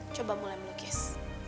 coba mulai melukis